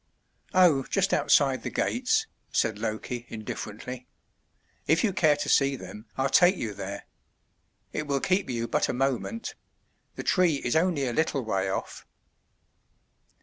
"Oh, just outside the gates," said Loki indifferently. "If you care to see them I'll take you there. It will keep you but a moment. The tree is only a little way off."